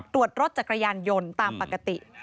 ตรวจรถจักรยานยนต์ตามปกติ